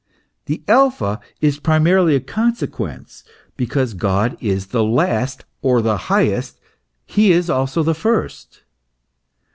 The Alpha is primarily a consequence ; because God is the last or highest, he is also the first.